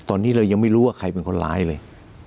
ตอนนี้เรายังไม่รู้ว่าใครเป็นคนร้ายเลย